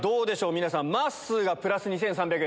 皆さんまっすーがプラス２３００円。